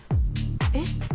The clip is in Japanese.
えっ？